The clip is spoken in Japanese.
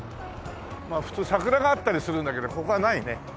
まあ普通桜があったりするんだけどここはないね。